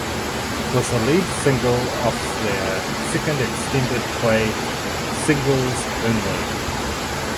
It was the lead single off their second extended play "Singles Only".